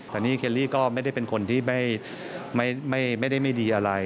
แต่นี่เคลลี่ก็ไม่ได้เป็นคนที่ไม่ได้ไม่ดีอะไร